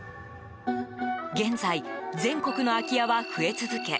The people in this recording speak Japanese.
現在、全国の空き家は増え続け